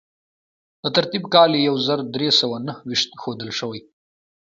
د ترتیب کال یې یو زر درې سوه نهه ویشت ښودل شوی.